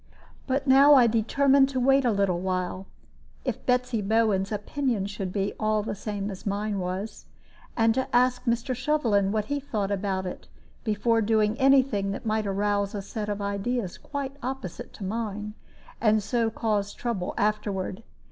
But now I determined to wait a little while (if Betsy Bowen's opinion should be at all the same as mine was), and to ask Mr. Shovelin what he thought about it, before doing any thing that might arouse a set of ideas quite opposite to mine, and so cause trouble afterward.